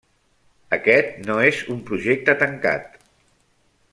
Aquest, no és un projecte tancat.